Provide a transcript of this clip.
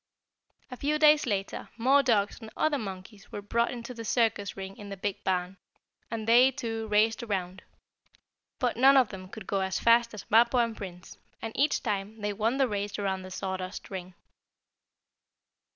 A few days later more dogs and other monkeys were brought into the circus ring in the big barn, and they, too, raced around. But none of them could go as fast as Mappo and Prince, and, each time, they won the race around the sawdust ring.